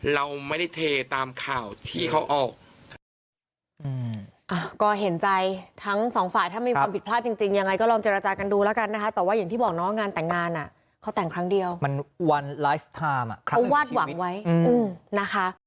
ผลาดทางการทำงานเราไม่ได้เทตามข่าวที่เขาออก